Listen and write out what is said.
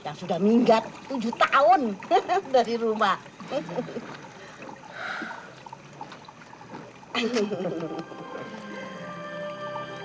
yang sudah minggat tujuh tahun dari rumah